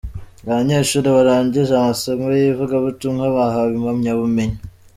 Abanyeshuri barangije amasomo y’ ivugabutumwa bahawe impamyabumenyi.